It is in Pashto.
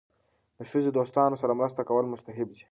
د ښځې دوستانو سره مرسته کول مستحب دي.